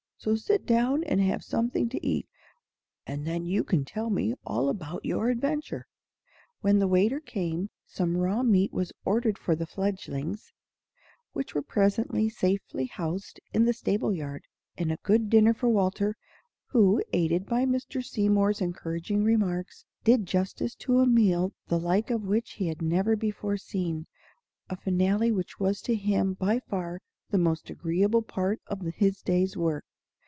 So sit down and have something to eat, and then you can tell me all about your adventure." When the waiter came, some raw meat was ordered for the fledgelings which were presently safely housed in the stable yard and a good dinner for Walter, who, aided by Mr. Seymour's encouraging remarks, did justice to a meal the like of which he had never before seen a finale which was to him by far the most agreeable part of his day's work.